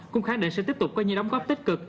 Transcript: cũng khẳng định sẽ tiếp tục có những đóng góp tích cực